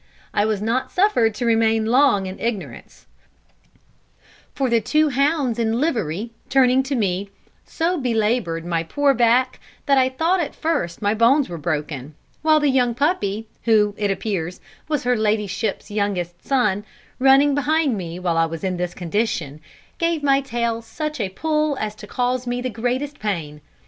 I was not suffered to remain long in ignorance; for the two hounds in livery, turning to me, so belaboured my poor back that I thought at first my bones were broken; while the young puppy, who, it appears, was her ladyship's youngest son, running behind me, while I was in this condition, gave my tail such a pull as to cause me the greatest pain.